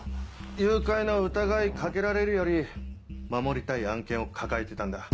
誘拐の疑い掛けられるより守りたい案件を抱えてたんだ。